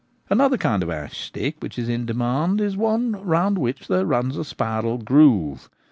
Another kind of ash stick which is in demand is one round which there runs a spiral groove.